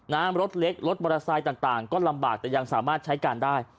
รถเล็กรถมอเตอร์ไซค์ต่างก็ลำบากแต่ยังสามารถใช้การได้